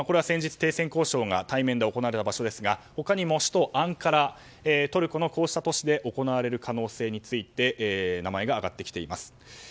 先日、停戦交渉が対面で行われた場所ですが他にも首都アンカラトルコのこうした都市で行われる可能性について名前が挙がってきています。